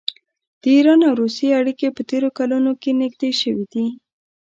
د ایران او روسیې اړیکې په تېرو کلونو کې نږدې شوي دي.